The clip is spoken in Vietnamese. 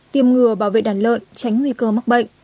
tiêm ngừa bảo vệ đàn lợn tránh nguy cơ mắc bệnh